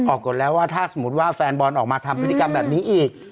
กฎแล้วว่าถ้าสมมุติว่าแฟนบอลออกมาทำพฤติกรรมแบบนี้อีก